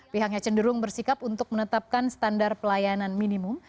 pihaknya cenderung bersikap untuk menetapkan standar pelayanan minimum